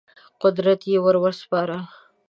قدرت یې ور وسپاره.